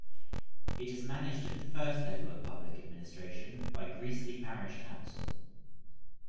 It is managed at the first level of public administration by Greasley Parish Council.